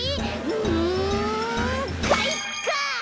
うんかいか！